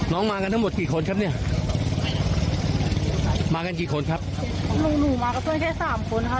น้องมากันทั้งหมดกี่คนครับเนี่ยมากันกี่คนครับมากันแค่สามคนค่ะ